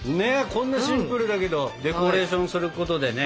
こんなシンプルだけどデコレーションすることでね